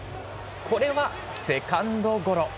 これはセカンドゴロ。